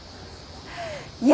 いや